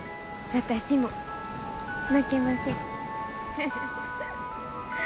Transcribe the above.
私も負けません。